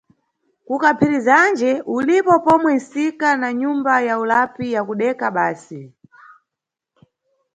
KuKaphirizanje ulipo pomwe nʼsika na nyumba ya ulapi yakudeka basi.